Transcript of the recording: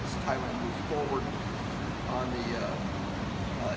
และฉันสงสัยที่ได้ยินความคิดของเขา